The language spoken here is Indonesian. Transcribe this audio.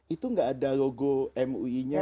itu nggak ada logo mui nya